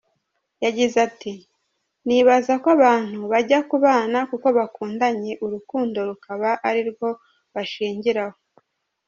Yagize ati “Nibaza ko abantu bajya kubana kuko bakundanye urukundo rukaba arirwo bashingiraho.